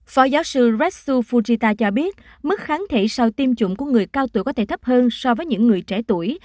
phó giáo sư restsu fujita cho biết mức kháng thể sau tiêm chủng của người cao tuổi có thể thấp hơn so với những người trẻ tuổi